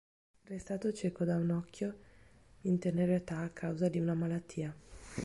Restato cieco da un occhio in tenera età a causa di una malattia..